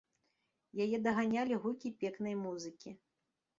Яе даганялі гукі пекнай музыкі.